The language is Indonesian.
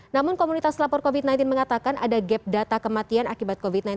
namun komunitas lapor covid sembilan belas mengatakan ada gap data kematian akibat covid sembilan belas